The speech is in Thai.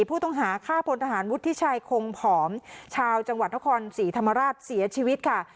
ผู้ต้องหาฆ่าพลทหารวุฒิชัยคงผอมชาวจังหวัดนครศรีธรรมราชเสียชีวิตค่ะ